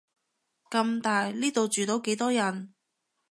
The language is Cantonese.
咁大，呢度住到幾多人